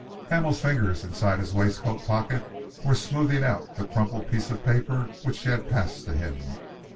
Hamel's fingers inside his waistcoat pocket were smoothing out the crumpled piece of paper which she had passed to him.